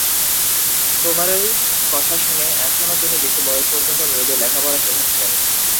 তোমারই কথা শুনে এখনো তিনি বেশি বয়স পর্যন্ত মেয়েদের লেখাপড়া শেখাচ্ছেন।